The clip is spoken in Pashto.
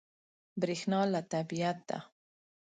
برېښنا له طبیعت ده.